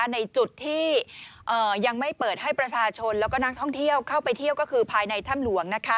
ในจุดที่ยังไม่เปิดให้ประชาชนแล้วก็นักท่องเที่ยวเข้าไปเที่ยวก็คือภายในถ้ำหลวง